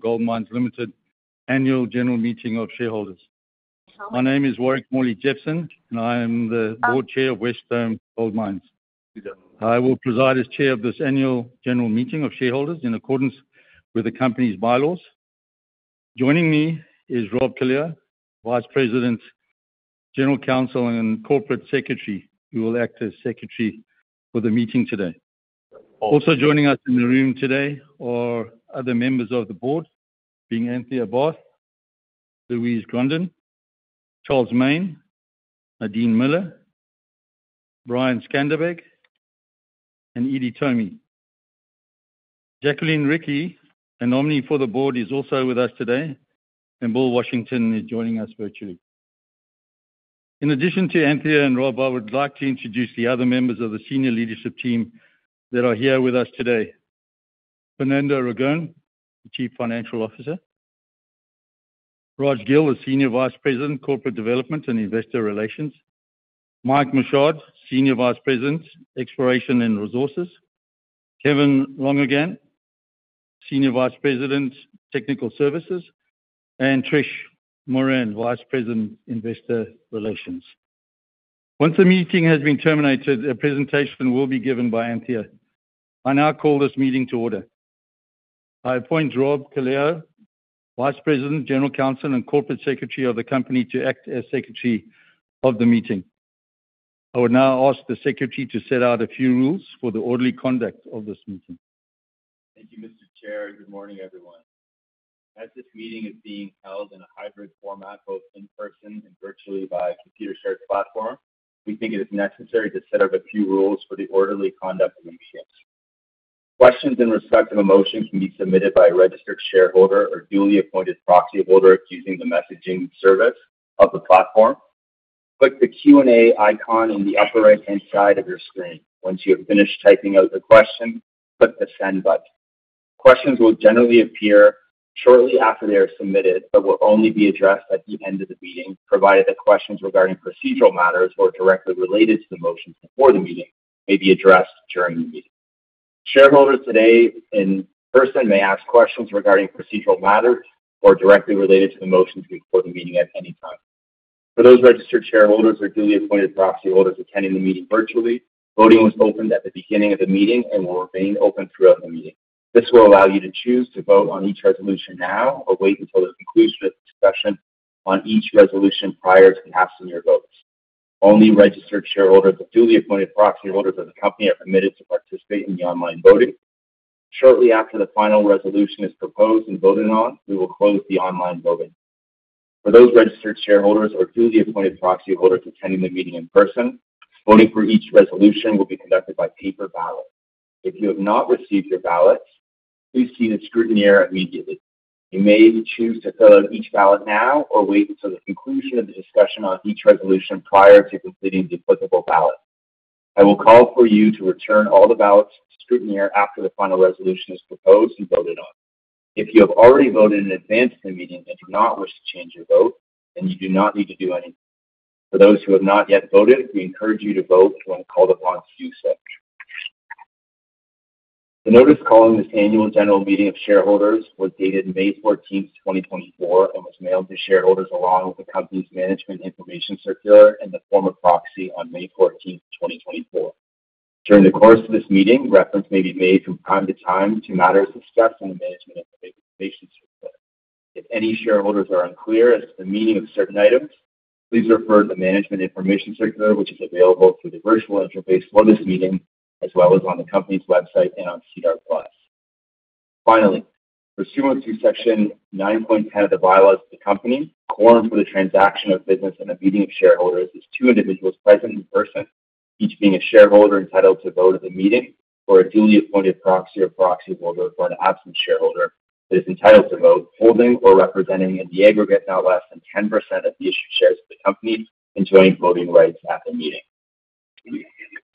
Gold Mines Limited Annual General Meeting of Shareholders. My name is Warwick Morley-Jepson, and I am the board chair of Wesdome Gold Mines. I will preside as chair of this Annual General Meeting Fernando Aragon, the Chief Financial Officer, Raj Gill, the Senior Vice President, Corporate Development and Investor Relations, Mike Michaud, Senior Vice President, Exploration and Resources, Kevin Lonergan, Senior Vice President, Technical Services, and Trish Moran, Vice President, Investor Relations. Once the meeting has been terminated, a presentation will be given by Anthea. I now call this meeting to order. I appoint Rob Kallio, Vice President, General Counsel, and Corporate Secretary of the company, to act as Secretary of the meeting. I would now ask the secretary to set out a few rules for the orderly conduct of this meeting. Thank you, Mr. Chair. Good morning, everyone. As this meeting is being held in a hybrid format, both in person and virtually by a Computershare platform, we think it is necessary to set up a few rules for the orderly conduct of the meeting. Questions in respect of a motion can be submitted by a registered shareholder or duly appointed proxy holder using the messaging service of the platform. Click the Q&A icon in the upper right-hand side of your screen. Once you have finished typing out the question, click the Send button. Questions will generally appear shortly after they are submitted, but will only be addressed at the end of the meeting, provided that questions regarding procedural matters or directly related to the motions before the meeting may be addressed during the meeting. Shareholders today in person may ask questions regarding procedural matters or directly related to the motions before the meeting at any time. For those registered shareholders or duly appointed proxy holders attending the meeting virtually, voting was opened at the beginning of the meeting and will remain open throughout the meeting. This will allow you to choose to vote on each resolution now or wait until the conclusion of the discussion on each resolution prior to casting your votes. Only registered shareholders or duly appointed proxy holders of the company are permitted to participate in the online voting. Shortly after the final resolution is proposed and voted on, we will close the online voting. For those registered shareholders or duly appointed proxy holders attending the meeting in person, voting for each resolution will be conducted by paper ballot. If you have not received your ballot, please see the scrutineer immediately. You may choose to fill out each ballot now or wait until the conclusion of the discussion on each resolution prior to completing the applicable ballot. I will call for you to return all the ballots to the scrutineer after the final resolution is proposed and voted on. If you have already voted in advance of the meeting and do not wish to change your vote, then you do not need to do anything. For those who have not yet voted, we encourage you to vote when called upon to do so. The notice calling this annual general meeting of shareholders was dated May 14, 2024, and was mailed to shareholders along with the company's Management Information Circular During the course of this meeting, reference may be made from time to time to matters discussed in the Management Information Circular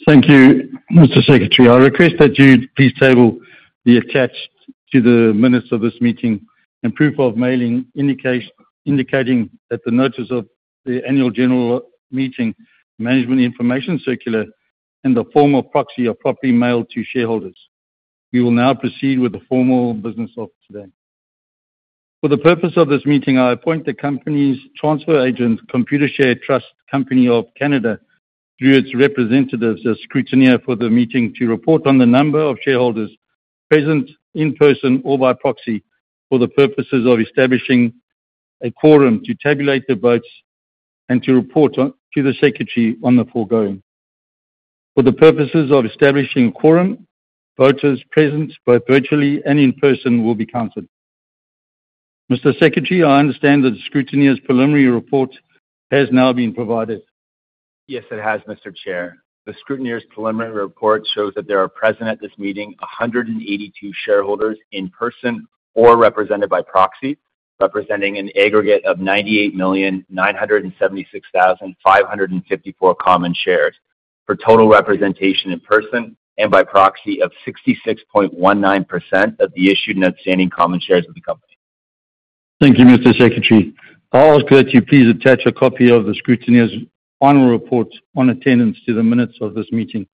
Thank you, Mr. Secretary. I request that you please table the attached to the minutes of this meeting and proof of mailing indicate, indicating that the notice of the annual general meeting, Management Information Circular, and the form of proxy are properly mailed to shareholders. We will now proceed with the formal business of today. For the purpose of this meeting, I appoint the company's transfer agent, Computershare Trust Company of Canada, through its representatives as scrutineer for the meeting, to report on the number of shareholders present, in person or by proxy, for the purposes of establishing a quorum, to tabulate the votes, and to report on to the secretary on the foregoing. For the purposes of establishing a quorum, voters present, both virtually and in person, will be counted. Mr. Secretary, I understand the scrutineer's preliminary report has now been provided. Yes, it has, Mr. Chair. The scrutineer's preliminary report shows that there are present at this meeting 182 shareholders in person or represented by proxy, representing an aggregate of 98,976,554 common shares, for total representation in person and by proxy of 66.19% of the issued and outstanding common shares of the company.... Thank you, Mr. Secretary. I ask that you please attach a copy of the scrutineer's final report on attendance to the minutes of this meeting.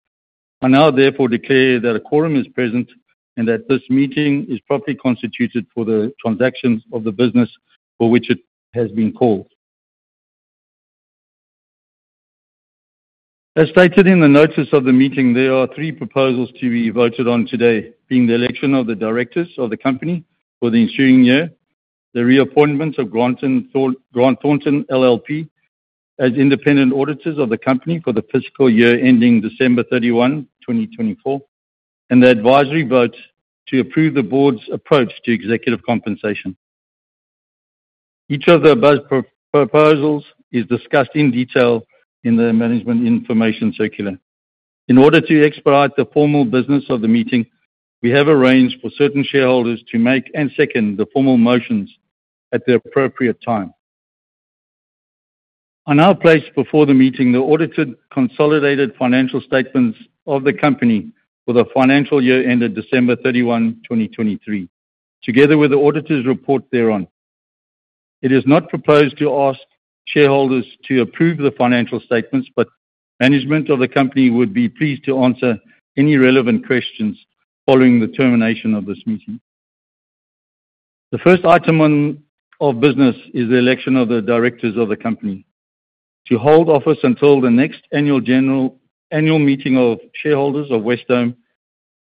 I now therefore declare that a quorum is present and that this meeting is properly constituted for the transactions of the business for which it has been called. As stated in the notice of the meeting, there are three proposals to be voted on today, being the election of the directors of the company for the ensuing year, the reappointment of Grant Thornton LLP as independent auditors of the company for the fiscal year ending December 31, 2024, and the advisory vote to approve the board's approach to executive compensation. Each of the above proposals is discussed in detail in the management information circular. In order to expedite the formal business of the meeting, we have arranged for certain shareholders to make and second the formal motions at the appropriate time. I now place before the meeting the audited consolidated financial statements of the company for the financial year ended December 31, 2023, together with the auditor's report thereon. It is not proposed to ask shareholders to approve the financial statements, but management of the company would be pleased to answer any relevant questions following the termination of this meeting. The first item of business is the election of the directors of the company to hold office until the next annual meeting of shareholders of Wesdome,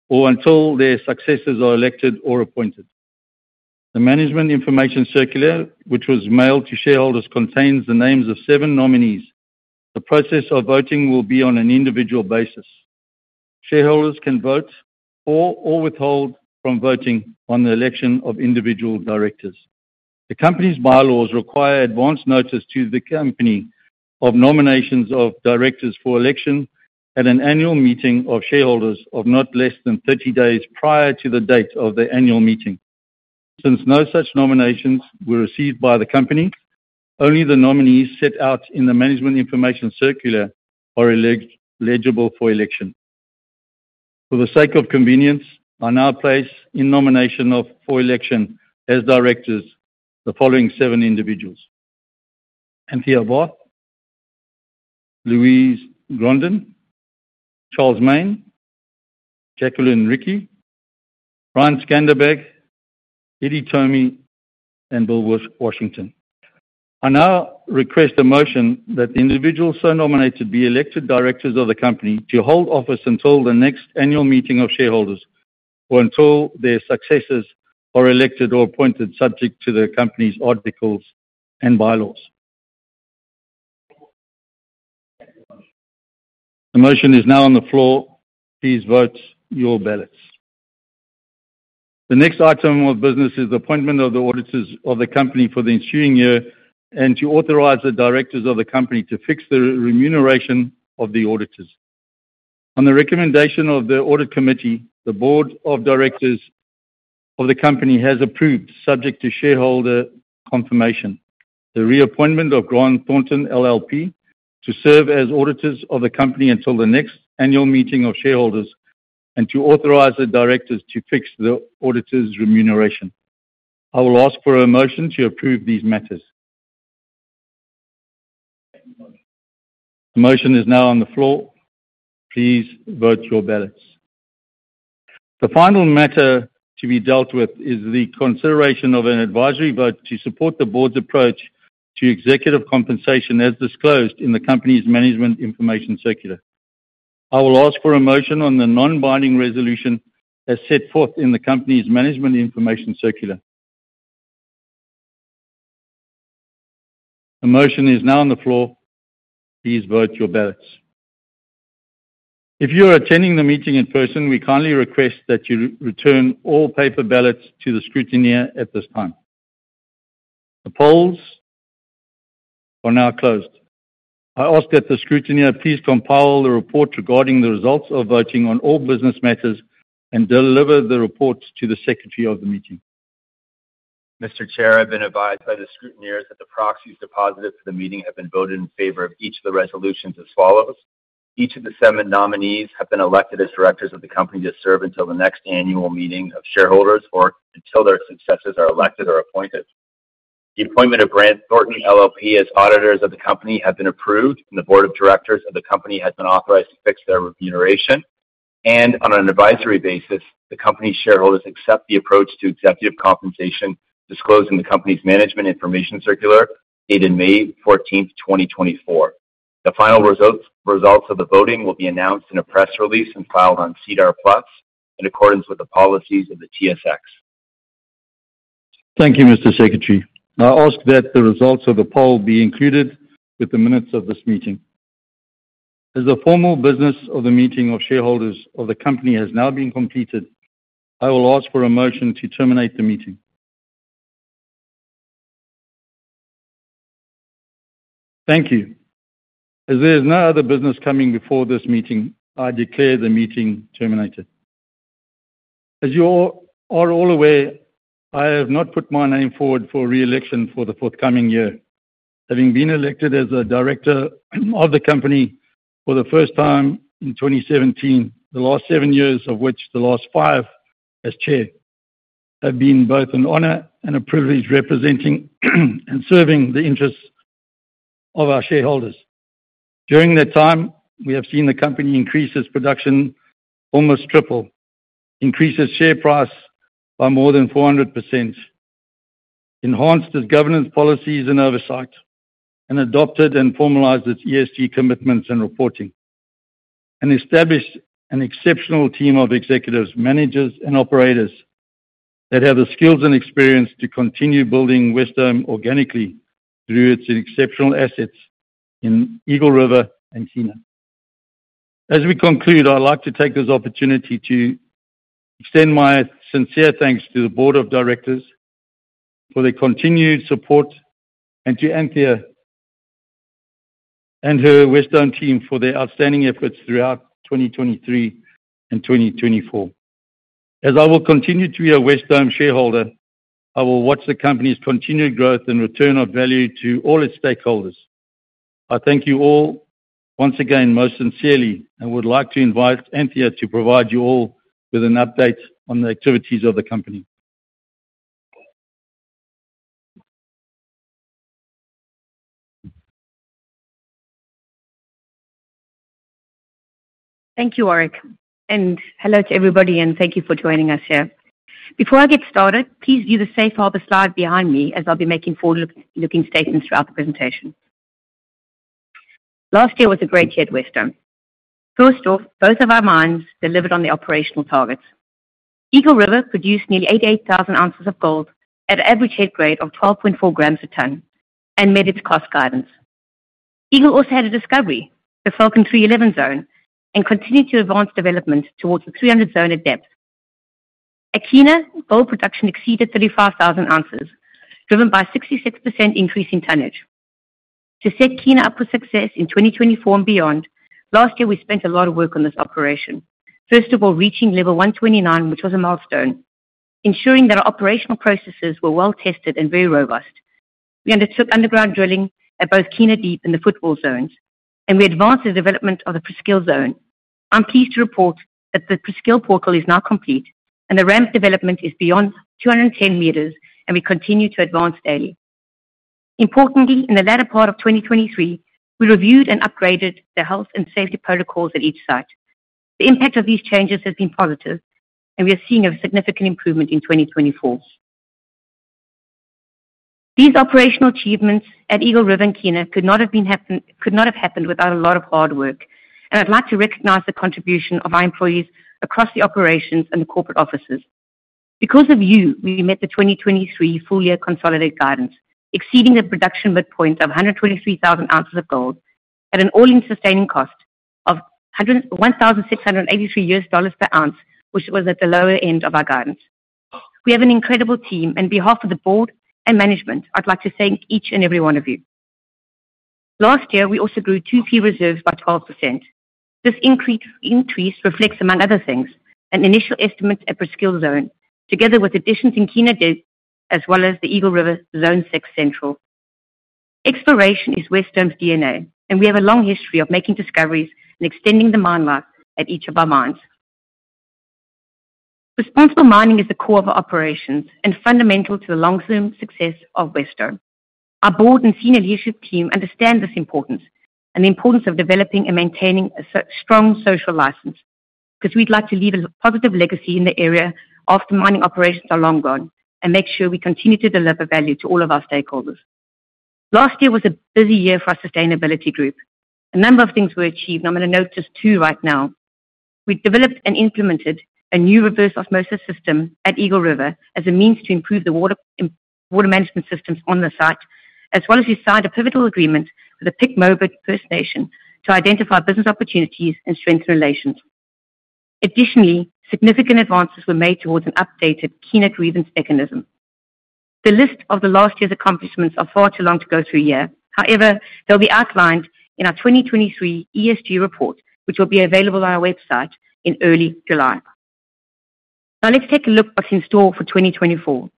or until their successors are elected or appointed. The management information circular, which was mailed to shareholders, contains the names of seven nominees. The process of voting will be on an individual basis. Shareholders can vote for or withhold from voting on the election of individual directors. The company's bylaws require advance notice to the company of nominations of directors for election at an annual meeting of shareholders of not less than 30 days prior to the date of the annual meeting. Since no such nominations were received by the company, only the nominees set out in the management information circular are eligible for election. For the sake of convenience, I now place in nomination for election as directors the following 7 individuals: Anthea Bath, Louise Grondin, Charles Main, Jacqueline Ricci, Brian Skanderbeg, Edie Thome, and Bill Washington. I now request a motion that the individuals so nominated be elected directors of the company to hold office until the next annual meeting of shareholders or until their successors are elected or appointed, subject to the company's articles and bylaws. The motion is now on the floor. Please vote your ballots. The next item of business is the appointment of the auditors of the company for the ensuing year, and to authorize the directors of the company to fix the remuneration of the auditors. On the recommendation of the Audit Committee, the board of directors of the company has approved, subject to shareholder confirmation, the reappointment of Grant Thornton LLP to serve as auditors of the company until the next annual meeting of shareholders and to authorize the directors to fix the auditors' remuneration. I will ask for a motion to approve these matters. The motion is now on the floor. Please vote your ballots. The final matter to be dealt with is the consideration of an advisory vote to support the board's approach to executive compensation, as disclosed in the company's management information circular. I will ask for a motion on the non-binding resolution as set forth in the company's management information circular. The motion is now on the floor. Please vote your ballots. If you are attending the meeting in person, we kindly request that you return all paper ballots to the scrutineer at this time. The polls are now closed. I ask that the scrutineer please compile the report regarding the results of voting on all business matters and deliver the report to the secretary of the meeting. Mr. Chair, I've been advised by the scrutineers that the proxies deposited for the meeting have been voted in favor of each of the resolutions as follows: Each of the seven nominees have been elected as directors of the company to serve until the next annual meeting of shareholders or until their successors are elected or appointed. The appointment of Grant Thornton LLP as auditors of the company have been approved, and the board of directors of the company has been authorized to fix their remuneration. And on an advisory basis, the company's shareholders accept the approach to executive compensation disclosed in the company's management information circular, dated May fourteenth, 2024. The final results, results of the voting will be announced in a press release and filed on SEDAR+ in accordance with the policies of the TSX. Thank you, Mr. Secretary. I ask that the results of the poll be included with the minutes of this meeting. As the formal business of the meeting of shareholders of the company has now been completed, I will ask for a motion to terminate the meeting. Thank you. As there is no other business coming before this meeting, I declare the meeting terminated. As you all are all aware, I have not put my name forward for re-election for the forthcoming year.... Having been elected as a director of the company for the first time in 2017, the last seven years, of which the last five as chair, have been both an honor and a privilege, representing and serving the interests of our shareholders. During that time, we have seen the company increase its production, almost triple, increase its share price by more than 400%, enhanced its governance policies and oversight, and adopted and formalized its ESG commitments and reporting, and established an exceptional team of executives, managers and operators that have the skills and experience to continue building Wesdome organically through its exceptional assets in Eagle River and Kiena. As we conclude, I'd like to take this opportunity to extend my sincere thanks to the board of directors for their continued support and to Anthea and her Wesdome team for their outstanding efforts throughout 2023 and 2024. As I will continue to be a Wesdome shareholder, I will watch the company's continued growth and return of value to all its stakeholders. I thank you all once again, most sincerely, and would like to invite Anthea to provide you all with an update on the activities of the company. Thank you, Warwick, and hello to everybody, and thank you for joining us here. Before I get started, please view the safe harbor slide behind me, as I'll be making forward-looking statements throughout the presentation. Last year was a great year at Wesdome. First off, both of our mines delivered on the operational targets. Eagle River produced nearly 88,000 ounces of gold at an average head grade of 12.4 grams a ton and met its cost guidance. Eagle also had a discovery, the Falcon 311 Zone, and continued to advance development towards the 300 Zone at depth. At Kiena, gold production exceeded 35,000 ounces, driven by a 66% increase in tonnage. To set Kiena up for success in 2024 and beyond, last year, we spent a lot of work on this operation. First of all, reaching level 129, which was a milestone, ensuring that our operational processes were well tested and very robust. We undertook underground drilling at both Kiena Deep and the Footwall Zone, and we advanced the development of the Presqu'ile Zone. I'm pleased to report that the Presqu'ile portal is now complete, and the ramp development is beyond 210 meters, and we continue to advance daily. Importantly, in the latter part of 2023, we reviewed and upgraded the health and safety protocols at each site. The impact of these changes has been positive, and we are seeing a significant improvement in 2024. These operational achievements at Eagle River and Kiena could not have happened without a lot of hard work, and I'd like to recognize the contribution of our employees across the operations and the corporate offices. Because of you, we met the 2023 full-year consolidated guidance, exceeding the production midpoint of 123,000 ounces of gold at an all-in sustaining cost of $1,683 per ounce, which was at the lower end of our guidance. We have an incredible team; on behalf of the board and management, I'd like to thank each and every one of you. Last year, we also grew 2P reserves by 12%. This increase reflects, among other things, an initial estimate at Presqu'ile Zone, together with additions in Kiena Deep, as well as the Eagle River Zone 6 Central. Exploration is Wesdome's DNA, and we have a long history of making discoveries and extending the mine life at each of our mines. Responsible mining is the core of our operations and fundamental to the long-term success of Wesdome. Our board and senior leadership team understand this importance and the importance of developing and maintaining a so strong social license, because we'd like to leave a positive legacy in the area after mining operations are long gone, and make sure we continue to deliver value to all of our stakeholders. Last year was a busy year for our sustainability group. A number of things were achieved. I'm going to note just two right now. We developed and implemented a new reverse osmosis system at Eagle River as a means to improve the water, water management systems on the site, as well as we signed a pivotal agreement with the Pikogan First Nation to identify business opportunities and strengthen relations. Additionally, significant advances were made towards an updated Kiena grievance mechanism. The list of the last year's accomplishments are far too long to go through here. However, they'll be outlined in our 2023 ESG report, which will be available on our website in early July. Now, let's take a look what's in store for 2024.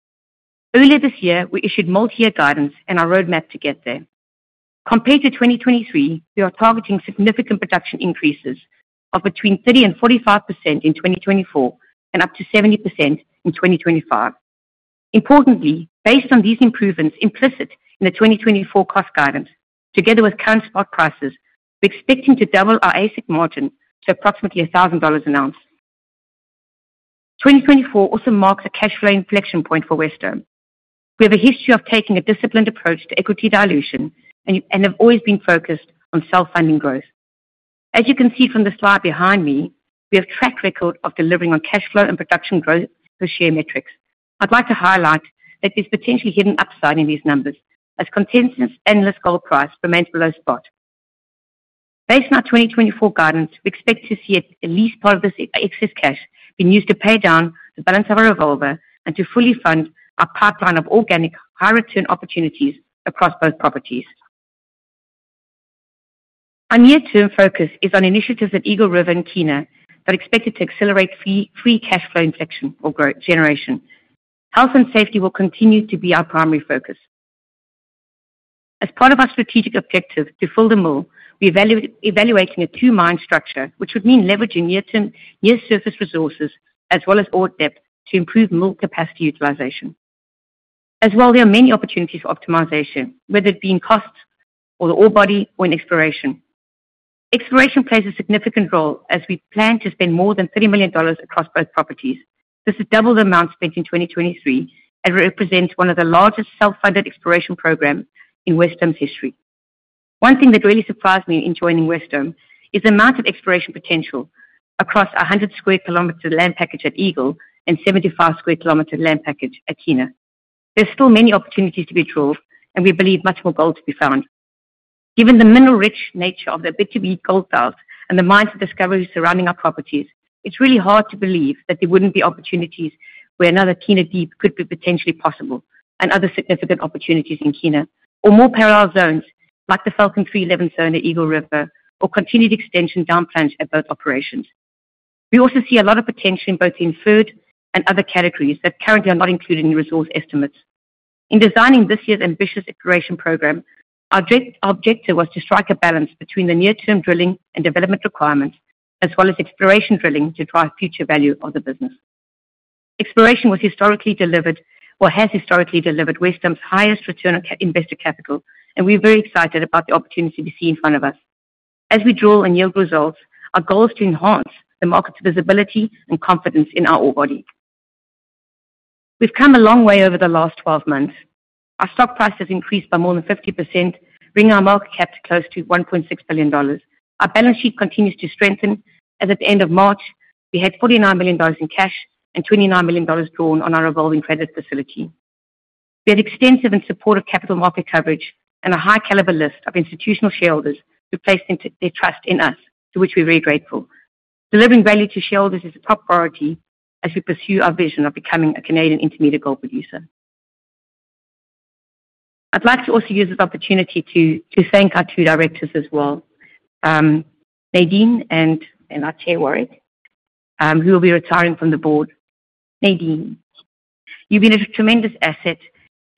Earlier this year, we issued multi-year guidance and our roadmap to get there. Compared to 2023, we are targeting significant production increases of between 30%-45% in 2024 and up to 70% in 2025. Importantly, based on these improvements implicit in the 2024 cost guidance, together with current spot prices, we're expecting to double our AISC margin to approximately $1,000 an ounce. 2024 also marks a cash flow inflection point for Wesdome. We have a history of taking a disciplined approach to equity dilution and have always been focused on self-funding growth. As you can see from the slide behind me, we have a track record of delivering on cash flow and production growth per share metrics. I'd like to highlight that there's potentially hidden upside in these numbers as consensus analysts' gold price remain below spot. Based on our 2024 guidance, we expect to see at least part of this excess cash being used to pay down the balance of our revolver and to fully fund our pipeline of organic high return opportunities across both properties. Our near-term focus is on initiatives at Eagle River and Kiena that are expected to accelerate free cash flow inflection or growth generation. Health and safety will continue to be our primary focus. As part of our strategic objective to fill the mill, we are evaluating a two-mine structure, which would mean leveraging near-term, near-surface resources as well as ore depth to improve mill capacity utilization. As well, there are many opportunities for optimization, whether it be in costs or the ore body or in exploration. Exploration plays a significant role as we plan to spend more than 30 million dollars across both properties. This is double the amount spent in 2023 and represents one of the largest self-funded exploration program in Wesdome's history. One thing that really surprised me in joining Wesdome is the amount of exploration potential across a 100 sq km land package at Eagle and 75 sq km land package at Kiena. There's still many opportunities to be drilled, and we believe much more gold to be found. Given the mineral-rich nature of the Abitibi Gold Belt and the mines and discoveries surrounding our properties, it's really hard to believe that there wouldn't be opportunities where another Kiena Deep could be potentially possible and other significant opportunities in Kiena, or more parallel zones like the Falcon 311 zone at Eagle River, or continued extension down plunge at both operations. We also see a lot of potential in both the inferred and other categories that currently are not included in the resource estimates. In designing this year's ambitious exploration program, our object, our objective was to strike a balance between the near-term drilling and development requirements, as well as exploration drilling to drive future value of the business. Exploration was historically delivered or has historically delivered Wesdome's highest return on invested capital, and we're very excited about the opportunity we see in front of us. As we drill and yield results, our goal is to enhance the market's visibility and confidence in our ore body. We've come a long way over the last 12 months. Our stock price has increased by more than 50%, bringing our market cap to close to 1.6 billion dollars. Our balance sheet continues to strengthen, as at the end of March, we had 49 million dollars in cash and 29 million dollars drawn on our revolving credit facility. We had extensive and supportive capital market coverage and a high caliber list of institutional shareholders who placed their trust in us, to which we're very grateful. Delivering value to shareholders is a top priority as we pursue our vision of becoming a Canadian intermediate gold producer. I'd like to also use this opportunity to thank our two directors as well, Nadine and our chair, Warwick, who will be retiring from the board. Nadine, you've been a tremendous asset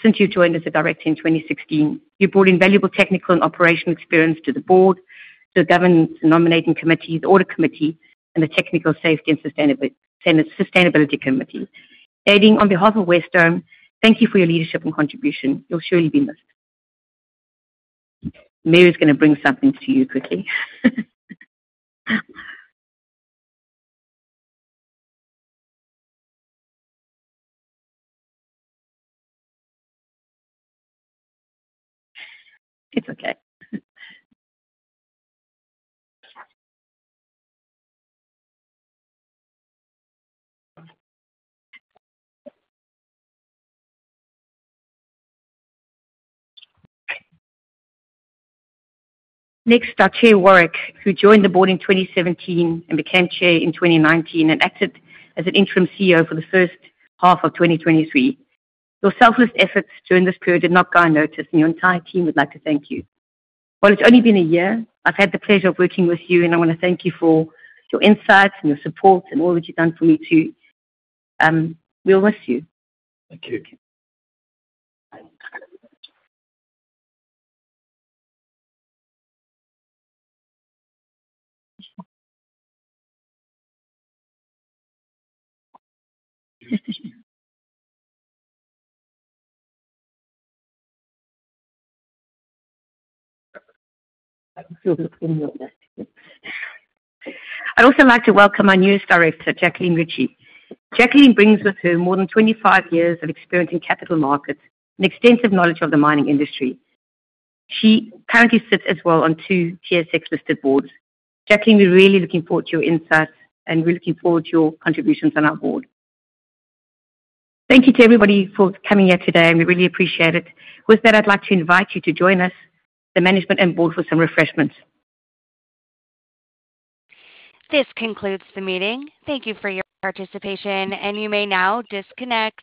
since you joined as a director in 2016. You've brought invaluable technical and operational experience to the board, to the Governance and Nominating Committees, audit committee, and the Technical, Safety and Sustainability Committee. Nadine, on behalf of Wesdome, thank you for your leadership and contribution. You'll surely be missed. Mary's gonna bring something to you quickly. It's okay. Next, our chair, Warwick, who joined the board in 2017 and became chair in 2019 and acted as an interim CEO for the H1 of 2023. Your selfless efforts during this period did not go unnoticed, and the entire team would like to thank you. While it's only been a year, I've had the pleasure of working with you, and I want to thank you for your insights and your support and all that you've done for me, too. We'll miss you. Thank you. I'd also like to welcome our newest director, Jacqueline Ricci. Jacqueline brings with her more than 25 years of experience in capital markets and extensive knowledge of the mining industry. She currently sits as well on two TSX-listed boards. Jacqueline, we're really looking forward to your insight, and we're looking forward to your contributions on our board. Thank you to everybody for coming here today, and we really appreciate it. With that, I'd like to invite you to join us, the management and board, for some refreshments. This concludes the meeting. Thank you for your participation, and you may now disconnect.